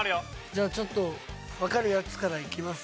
じゃあちょっとわかるやつからいきます。